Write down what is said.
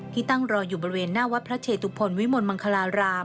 ที่ตั้งรออยู่บริเวณหน้าวัดพระเชตุพลวิมลมังคลาราม